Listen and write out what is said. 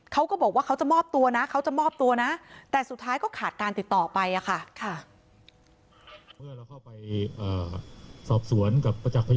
เขาก็บอกว่าเขาจะมอบตัวนะแต่สุดท้ายก็ขาดการติดต่อไปค่ะ